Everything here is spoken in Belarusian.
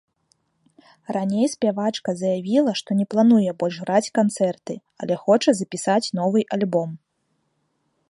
Раней спявачка заявіла, што не плануе больш граць канцэрты, але хоча запісаць новы альбом.